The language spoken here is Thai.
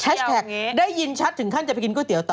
แฮชแท็กท์ได้ยินชัดถึงขั้นจะไปกินก๋วยเตี๋ยวต่อ